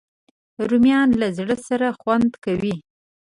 رومیان له زړه سره خوند کوي